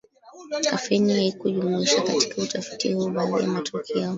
Kafeni haikujumuishwa katika utafiti huu Baadhi ya matokeo